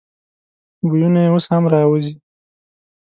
بویونه یې اوس هم راوزي.